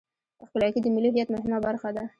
خپلواکي د ملي هویت مهمه برخه ده.